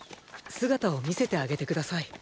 姿を見せてあげて下さい。